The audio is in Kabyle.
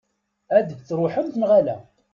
Ad d-truḥemt, neɣ ala?